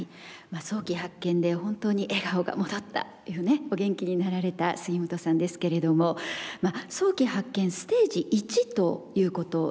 早期発見で本当に笑顔が戻ったというねお元気になられた杉本さんですけれども早期発見ステージ１ということだったんですね。